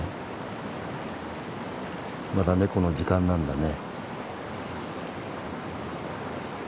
まだネコの時間なんだね。